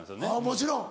もちろん。